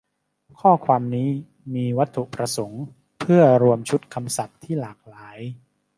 ข้อความนี้มีวัตถุประสงค์เพื่อรวมชุดคำศัพท์ที่หลากหลาย